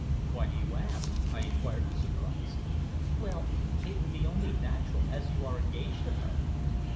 "Why do you ask?" I inquired in surprise. "Well it would be only natural, as you are engaged to her."